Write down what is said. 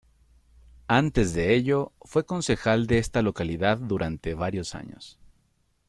Antes de ello, fue concejal de esta localidad durante varios años.